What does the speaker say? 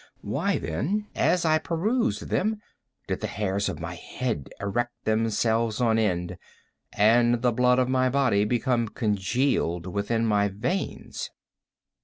Why then, as I perused them, did the hairs of my head erect themselves on end, and the blood of my body become congealed within my veins?